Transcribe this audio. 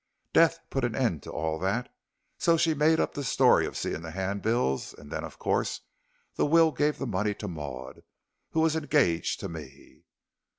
Death put an end to all that, so she made up the story of seeing the hand bills, and then of course the will gave the money to Maud, who was engaged to me."